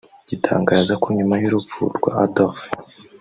gitangaza ko nyuma y’urupfu rwa Adolphe